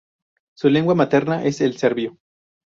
Su lengua materna es el serbio.